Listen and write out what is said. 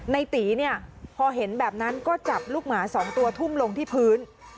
ในตีเนี่ยพอเห็นแบบนั้นก็จับลูกหมา๒ตัวทุ่มลงที่พื้น